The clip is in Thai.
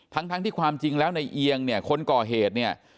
ทั้งทั้งที่ความจริงแล้วในเอียงเนี่ยคนก่อเหตุเนี่ย